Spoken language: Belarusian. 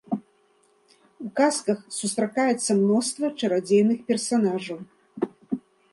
У казках сустракаецца мноства чарадзейных персанажаў.